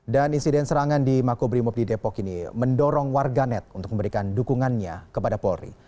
dan insiden serangan di makobrimob di depok ini mendorong warganet untuk memberikan dukungannya kepada polri